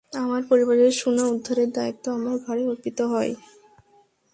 আমার পরিবারের সোনা উদ্ধারের দায়িত্ব আমার ঘাড়ে অর্পিত হয়।